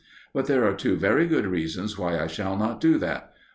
But there are two very good reasons why I shall not do that.